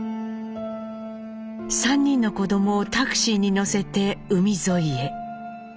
３人の子どもをタクシーに乗せて海沿いへ。